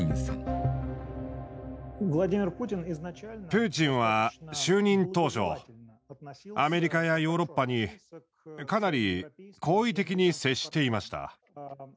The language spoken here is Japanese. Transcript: プーチンは就任当初アメリカやヨーロッパにかなり好意的に接していました。